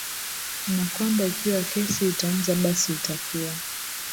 na kwamba ikiwa kesi itaanza basi itakuwa